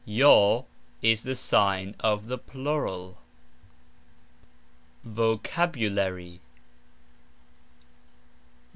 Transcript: "j" is the sign of the plural). VOCABULARY.